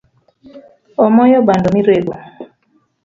Omaya bando mirego